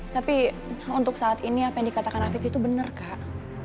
tapi untuk saat ini apa yang dikatakan hafifi itu benar kak